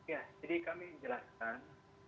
ya jadi kami menjelaskan